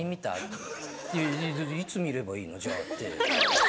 「いつ見ればいいの？じゃあ」って。